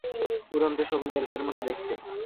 উড়ন্ত সবুজ এলফের মতো দেখতে।